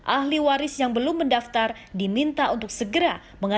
ahli waris yang belum mendaftar diminta untuk segera mengambil